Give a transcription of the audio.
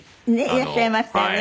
いらっしゃいましたよね。